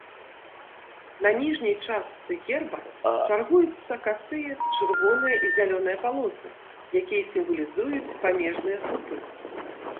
На ніжняй частцы герба чаргуюцца касыя чырвоныя і зялёныя палосы, якія сімвалізуюць памежныя слупы.